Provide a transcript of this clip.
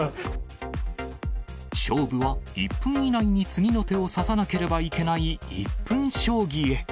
勝負は１分以内に次の手を指さなければいけない１分将棋へ。